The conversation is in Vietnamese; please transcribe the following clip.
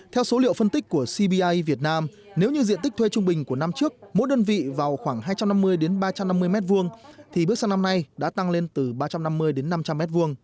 theo số liệu phân tích của cbi việt nam nếu như diện tích thuê trung bình của năm trước mỗi đơn vị vào khoảng hai trăm năm mươi ba trăm năm mươi m hai thì bước sang năm nay đã tăng lên từ ba trăm năm mươi đến năm trăm linh m hai